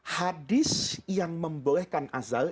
hadis yang membolehkan azal